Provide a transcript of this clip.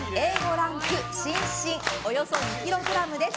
ランク芯々およそ２ｋｇです。